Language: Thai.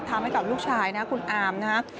ทำให้กับลูกชายนะคุณอามนะครับ